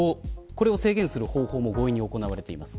これを制限するための方法も強引に行われています。